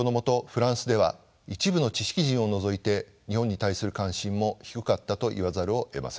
フランスでは一部の知識人を除いて日本に対する関心も低かったと言わざるをえません。